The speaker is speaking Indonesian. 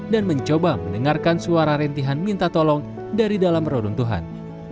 dan mencoba mendengarkan suara rentihan minta tolong dari dalam reruntuhan